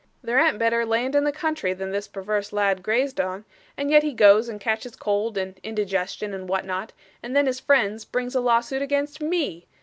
There an't better land in the country than this perwerse lad grazed on, and yet he goes and catches cold and indigestion and what not, and then his friends brings a lawsuit against ME!